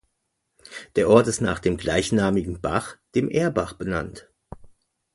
Der Ort ist nach dem gleichnamigen Bach, dem Erbach benannt.